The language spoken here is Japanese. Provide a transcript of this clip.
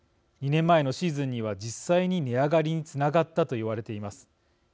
２年前のシーズンには実際に値上がりにつながったと言われています。